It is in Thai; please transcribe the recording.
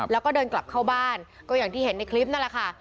แล้วก็เดินกลับเข้าบ้านก็อย่างที่เห็นในคลิปนั่นแหละค่ะ